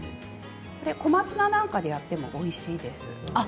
小松菜なんかでやってもおいしいですよ。